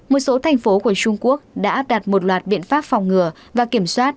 một số thành phố của trung quốc đã đặt một loạt biện pháp phòng ngừa và kiểm soát